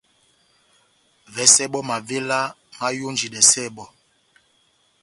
Vɛsɛ bɔ́ mavéla máyonjidɛsɛ bɔ́.